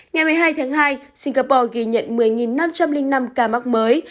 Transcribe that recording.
ngày một mươi hai tháng hai singapore ghi nhận một mươi năm trăm linh năm ca mắc mới